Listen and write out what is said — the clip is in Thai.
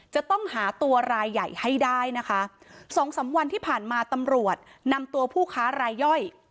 จะต้องหาตัวรายใหญ่ให้ได้นะคะสองสามวันที่ผ่านมาตำรวจนำตัวผู้ค้ารายย่อย